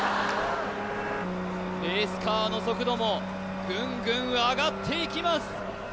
レースカーの速度もぐんぐん上がっていきます